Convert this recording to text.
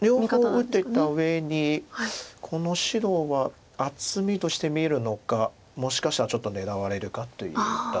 両方打てたうえにこの白は厚みとして見るのかもしかしたらちょっと狙われるかといったところなんで。